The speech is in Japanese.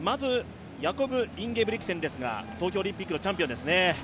ヤコブ・インゲブリクセンですが東京オリンピックのチャンピオンですね。